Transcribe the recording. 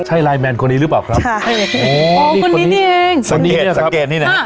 ใช่ไลน์แมนคนนี้หรือเปล่าครับค่ะโอ้นี่คนนี้เองสังเกตสังเกตนี่นะฮะ